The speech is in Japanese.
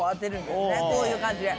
こういう感じで。